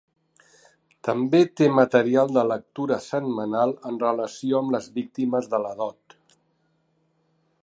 També té material de lectura setmanal en relació amb les víctimes de la dot.